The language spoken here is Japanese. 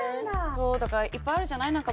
だからいっぱいあるじゃない？